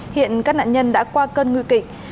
hiện các nạn nhân đã qua cơn nguy kịch